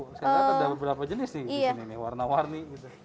ada berapa jenis nih warna warni gitu